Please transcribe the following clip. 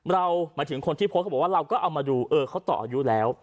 หมายถึงคนที่โพสต์เขาบอกว่าเราก็เอามาดูเออเขาต่ออายุแล้ว